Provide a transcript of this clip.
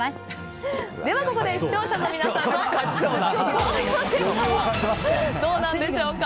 ではここで視聴者の皆さんの投票結果はどうなんでしょうか。